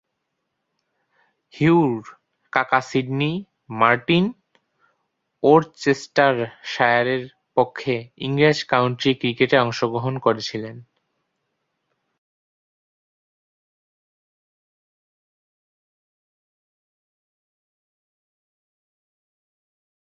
হিউ’র কাকা Sydney Martin ওরচেস্টারশায়ারের পক্ষে ইংরেজ কাউন্টি ক্রিকেটে অংশগ্রহণ করেছেন।